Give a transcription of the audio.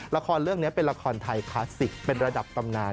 ละครเรื่องนี้เป็นละครไทยคลาสสิกเป็นระดับตำนาน